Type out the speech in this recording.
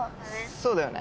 そうだよね